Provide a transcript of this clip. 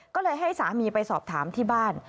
ก็เลยให้สามีไปสอบถามที่บ้าน